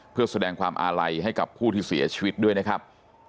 เพื่อแสดงความอาลัยให้กับผู้ที่เสียชีวิตด้วยนะครับ